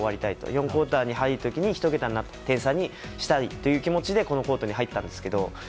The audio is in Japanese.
４クオーターに入る時に１桁の点差にしたいという気持ちでこのコートに入ったんですけど。